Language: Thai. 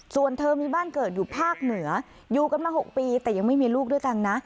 ส่วนเธอมีบ้านเกิดอยู่ภาคเหนืออยู่กันมา๖ปีแต่ยังไม่มีลูกด้วยกันนะ